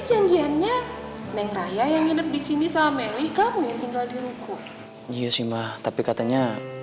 riannya neng raya yang nginep di sini sama melly kamu yang tinggal di ruko iya sih mbah tapi katanya